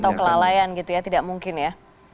atau kelalaian gitu ya tidak mungkin ya